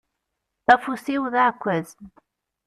Afus-iw d aεekkaz.